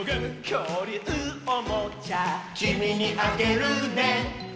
「きょうりゅうおもちゃ」「きみにあげるね」